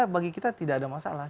bagi kita tidak ada masalah